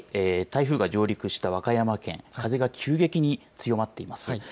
台風が上陸した和歌山県風が急激に強まっています。